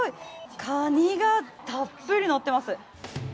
かにがたっぷりのってます。